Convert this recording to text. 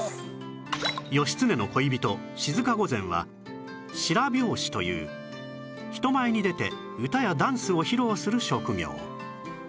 義経の恋人静御前は白拍子という人前に出て歌やダンスを披露する職業